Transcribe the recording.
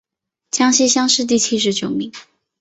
江西乡试第七十九名。